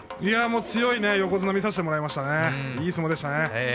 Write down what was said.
強い横綱を見させてもらいました。